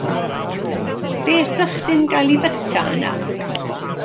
Be' 'sa chdi'n gael i fyta yna?